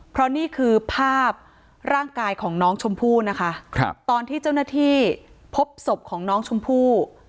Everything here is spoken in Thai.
เพราะนี่คือภาพร่างกายของน้องชมพู่นะคะครับตอนที่เจ้าหน้าที่พบศพของน้องชมพู่